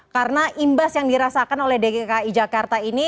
karena imbas yang dirasakan oleh dki jakarta ini